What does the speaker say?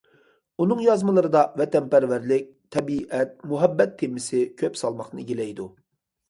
ئۇنىڭ يازمىلىرىدا ۋەتەنپەرۋەرلىك، تەبىئەت، مۇھەببەت تېمىسى كۆپ سالماقنى ئىگىلەيدۇ.